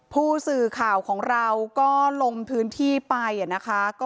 ภูสิข่าวของเราก็ลงพื้นที่ไปอ่ะนะคะ